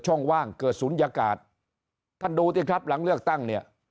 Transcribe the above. ว่างเกิดศูนยากาศท่านดูสิครับหลังเลือกตั้งเนี่ย